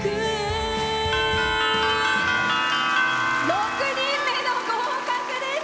６人目の合格です！